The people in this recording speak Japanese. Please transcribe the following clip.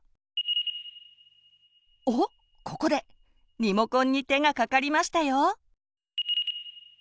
ここでリモコンに手がかかりましたよ。